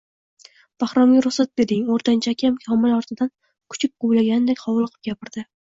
Bahromga ruxsat bering, o`rtancha akam Komil ortidan kuchuk quvlagandek hovliqib gapirdi